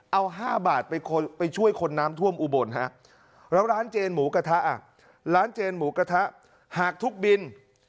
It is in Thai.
เอา๕บาทไปช่วยคนน้ำท่วมอุบลฮะแล้วร้านเจนหมูกระทะร้านเจนหมูกระทะหากทุกบิน